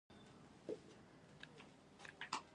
احمد د خپلې مور او پلار عزت خپله قبله ګڼي.